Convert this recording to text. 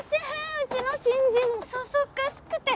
うちの新人そそっかしくて。